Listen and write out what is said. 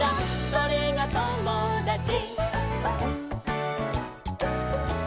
「それがともだち」